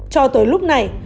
cho tới lúc này